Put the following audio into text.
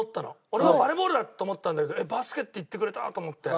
俺もバレーボールだと思ったんだけどバスケって言ってくれたと思って。